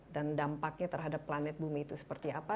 dan dampaknya terhadap planet bumi itu seperti apa